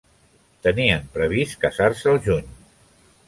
Tenien previst casar-se al juny.